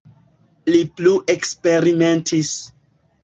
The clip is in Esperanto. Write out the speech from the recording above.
Li plu eksperimentis.